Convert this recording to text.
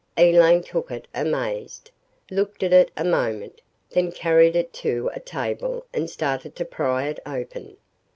Elaine took it amazed, looked at it a moment, then carried it to a table and started to pry it open.